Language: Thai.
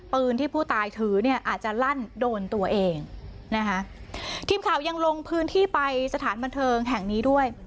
ปืนที่ผู้ตายถือเนี่ยอาจจะลั่นโดนตัวเองนะคะทีมข่าวยังลงพื้นที่ไปสถานบันเทิงแห่งนี้ด้วย